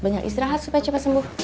banyak istirahat supaya cepat sembuh